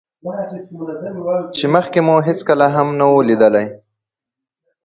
چې مخکې مو هېڅکله هم نه وو ليدلى.